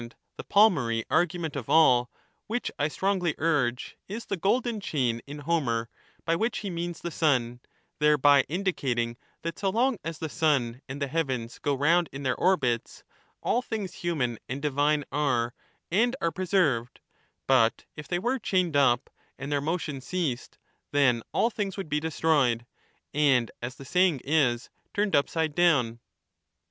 ment of the palmarx^rgument of all, which I strongly urge, is the golden golden chain in Homer, by which he means the sun, thereby indi *^^" eating that so long as the sun and the heavens go round in their orbits, all things human and divine are and are pre served, but if they were chained up and their motions ceased, then all things would be destroyed, and, as the saying is, turned upside down.